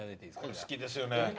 これ好きですよね。